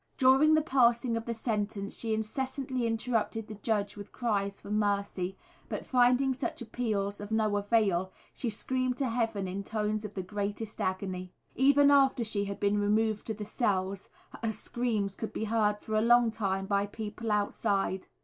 During the passing of the sentence she incessantly interrupted the judge with cries for mercy, but finding such appeals of no avail, she screamed to Heaven in tones of the greatest agony. Even after she had been removed to the cells, her screams could be heard for a long time by people outside.